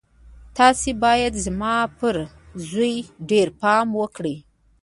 تاسې بايد زما پر زوی ډېر پام وکړئ.